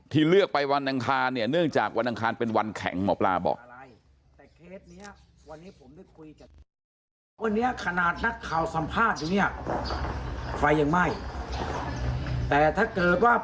เลือกไปวันอังคารเนี่ยเนื่องจากวันอังคารเป็นวันแข็งหมอปลาบอก